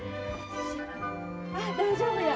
あ大丈夫や。